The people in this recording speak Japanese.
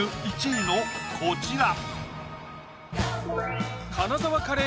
１位のこちら！